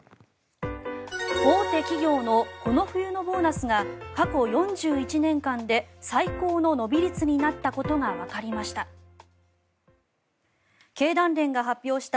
大手企業のこの冬のボーナスが過去４１年間で最高の伸び率になったことがわかりました。